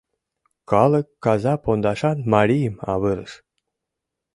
Калык каза пондашан марийым авырыш: